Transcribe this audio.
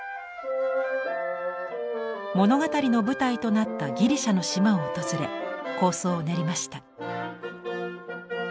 物語の舞台となったギリシャの島を訪れ構想を練りました。